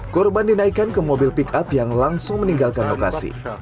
korban dinaikkan ke mobil pick up yang langsung meninggalkan lokasi